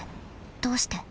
どうして？